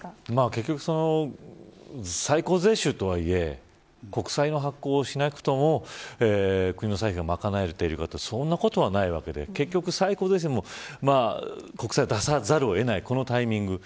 結局、最高税収とはいえ国債の発行はしなくとも国の債券を賄えているといえばそういうわけではないわけで国債を出さざるを得ないこのタイミング